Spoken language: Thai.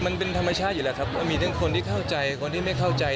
มันเป็นธรรมชาติอยู่แล้วครับมันมีทั้งคนที่เข้าใจคนที่ไม่เข้าใจ